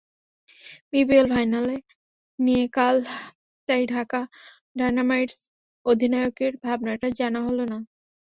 BPL final নিয়ে কাল তাই ঢাকা ডায়নামাইটস অধিনায়কের ভাবনাটা জানা হলো না।